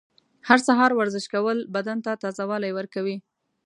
هر سهار ورزش کول بدن ته تازه والی ورکوي.